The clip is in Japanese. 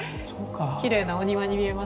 きれいなお庭に見えますよね。